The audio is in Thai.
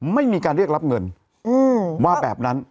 ไม่มีการเรียกรับเงินว่าแบบนั้น